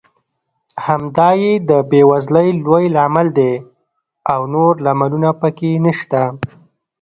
همدا یې د بېوزلۍ لوی لامل دی او نور لاملونه پکې نشته.